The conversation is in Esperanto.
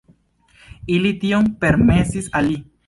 Ili tion permesis al li.